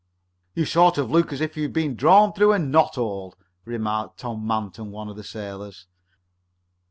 "You sort of look as if you had been drawn through a knothole," remarked Tom Manton, one of the sailors.